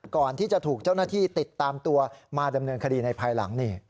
ก่อนที่จะถูกเจ้าหน้าที่ติดตามตัวมาดำเนินคดีในภายหลังนี่